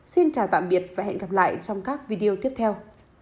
xin chào tạm biệt và hẹn gặp lại trong các video tiếp theo